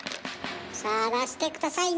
さあ出して下さい。